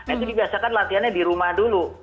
itu dibiasakan latihannya di rumah dulu